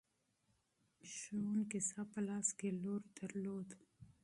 معلم صاحب په لاس کې لور درلود.